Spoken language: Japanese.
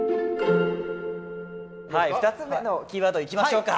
２つ目のキーワードいきましょうか。